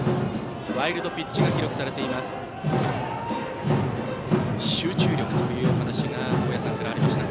ワイルドピッチが記録されました。